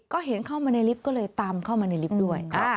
ก็เห็นเข้ามาในลิฟต์ก็เลยตามเข้ามาในลิฟต์ด้วย